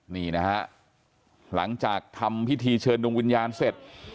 นี่นะฮะหลังจากทำพิธีเชิญดวงวิญญาณเสร็จ